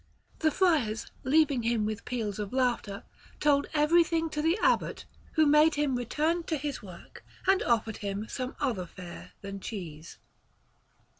The friars, leaving him with peals of laughter, told everything to the Abbot, who made him return to his work, and ordered him some other fare than cheese.